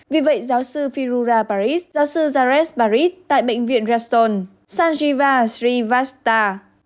vì vậy giáo sư firura parish giáo sư jaresh parish tại bệnh viện reston sanjeeva srivastava